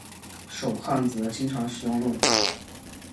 手焊则经常使用烙铁。